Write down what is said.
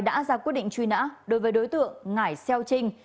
đã ra quyết định truy nã đối với đối tượng ngải xeo trinh